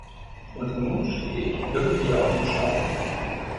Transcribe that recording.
Und nun stehe ich irgendwie auf dem Schlauch.